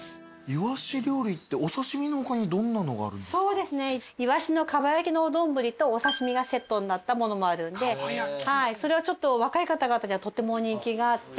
そうですねイワシのかば焼きのお丼とお刺し身がセットになったものもあるんでそれはちょっと若い方々にはとても人気があって。